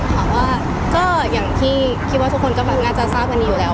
เพราะว่าอย่างที่คิดว่าทุกคนก็อาจจะทราบกันนี้อยู่แล้ว